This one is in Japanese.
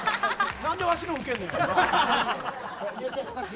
何でわしのウケんねん。